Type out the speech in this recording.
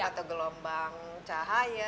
atau gelombang cahaya